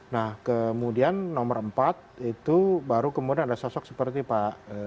nah kemudian nomor empat itu baru kemudian ada sosok seperti pak